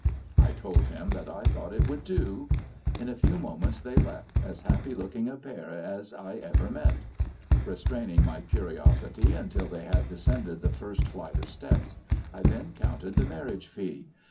I told him that I thou^i^ht it would do. In a few moments they left, as happy looking a pair as I ever met. Restraining my curiositv until they had de scended the first flight of steps, I then counted HOW THE MONEY CAME. 315 tlie marriage fee.